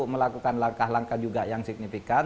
melakukan langkah langkah juga yang signifikan